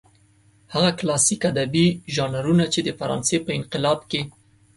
هغه کلاسلیک ادبي ژانرونه چې د فرانسې په انقلاب کې.